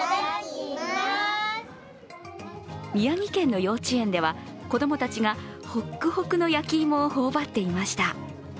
宮城県の幼稚園では子供たちがほっくほくの焼き芋をほおばっていました。